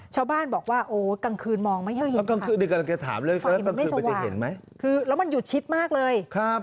ชาวบ้านบอกว่าโอ๊ยกลางคืนมองไม่ให้เห็นค่ะแล้วมันหยุดชิดมากเลย